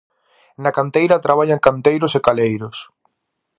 Na canteira traballan canteiros e caleiros.